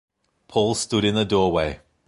Paul stood in the doorway.